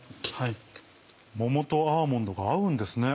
桃とアーモンドが合うんですね。